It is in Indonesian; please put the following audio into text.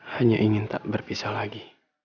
hanya ingin tak berpisah lagi